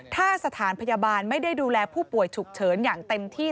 ถ้าสถานพยาบาลไม่ได้ดูแลผู้ป่วยฉุกเฉินอย่างเต็มที่